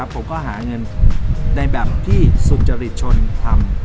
ผมก็หาเงินในแบบที่สุจริตชนทำ